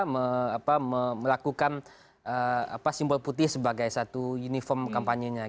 melakukan simbol putih sebagai satu uniform kampanye nya